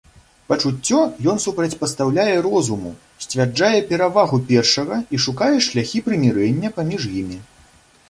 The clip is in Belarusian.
Пачуццё ён супрацьпастаўляе розуму, сцвярджае перавагу першага і шукае шляхі прымірэння паміж імі.